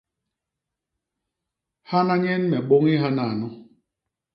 Hana nyen me bôñi hanano.